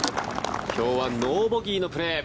今日はノーボギーのプレー。